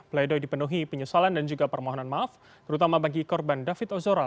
pledoi dipenuhi penyesalan dan juga permohonan maaf terutama bagi korban david ozora